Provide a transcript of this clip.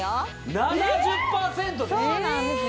７０％ですよ！？